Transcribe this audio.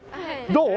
どう？